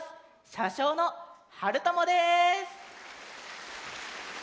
しゃしょうのはるともです。